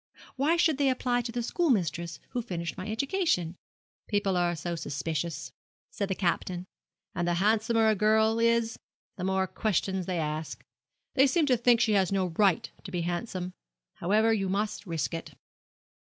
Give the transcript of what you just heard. Why should they apply to the schoolmistress who finished my education?' 'People are so suspicious,' said the Captain, 'and the handsomer a girl is the more questions they ask. They seem to think she has no right to be so handsome. However you must risk it.'